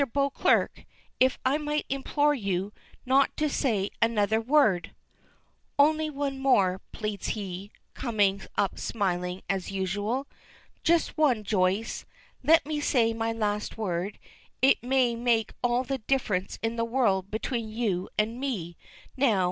Beauclerk, if I might implore you not to say another word " "Only one more," pleads he, coming up smiling as usual. "Just one, Joyce let me say my last word; it may make all the difference in the world between you and me now.